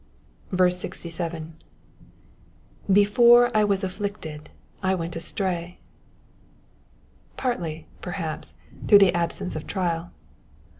67. ^^ Before I wan afflicted I went astray, ^^ Partly, perhaps, through the absence of trial.